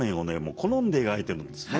好んで描いてるんですね。